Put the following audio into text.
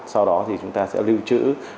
sau đó thì chúng ta sẽ lưu trữ